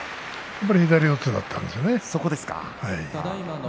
左四つだったんですよね。